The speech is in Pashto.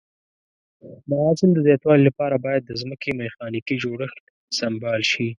د حاصل د زیاتوالي لپاره باید د ځمکې میخانیکي جوړښت سمبال شي.